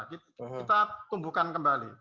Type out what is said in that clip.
kita kumpulkan kembali